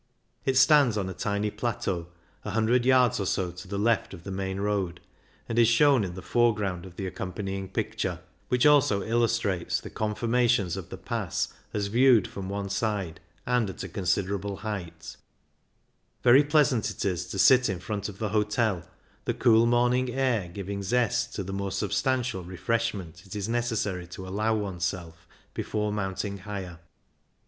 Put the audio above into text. It stands on a tiny plateau, a hundred yards or so to the left of the main road, and is shown in the foreground of the accompanying picture, 30 CYCLING IN THE ALPS which also illustrates the conformations of the Pass as viewed from one side and at a considerable height Very pleasant is it to sit in front of the hotel, the cool morning air giving zest to the more substantial re freshment it is necessary to allow one's self before mounting higher.